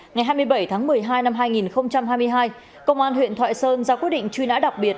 ngày hai mươi bảy tháng một mươi hai năm hai nghìn hai mươi hai công an huyện thoại sơn ra quyết định truy nã đặc biệt